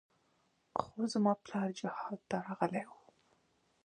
خو زما پلار جهاد ته راغلى و.